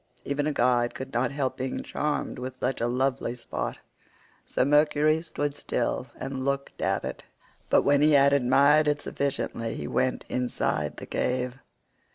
51 Even a god could not help being charmed with such a lovely spot, so Mercury stood still and looked at it; but when he had admired it sufficiently he went inside the cave.